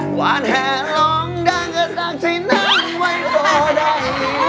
หวานแห่ลองดังก็ซากซีนั่งไว้ก็ได้